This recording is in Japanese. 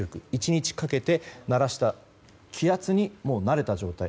１日かけて慣らした気圧に慣れた状態